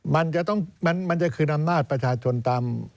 มันจะคืนน้ำหน้าประชาชนตาม